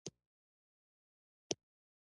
پاتې جملې ته مې پرېنښود او ورته ومې ویل: